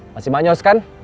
masih manjos kan